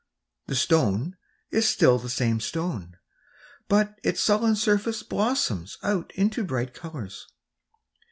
The stone is still the same stone ; but its sullen surface blossoms out into bright colours.